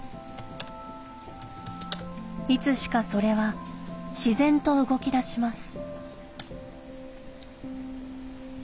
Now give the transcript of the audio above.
いつしかそれは自然と動きだします。